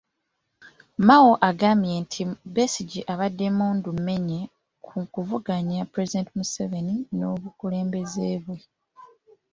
Mao agamba nti Besigye abadde mmundu mmenye mu kuvuganya Pulezidenti Museveni n’obukulembeze bwe.